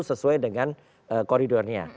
sesuai dengan koridornya